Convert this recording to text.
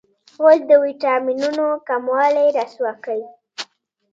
غول د وېټامینونو کموالی رسوا کوي.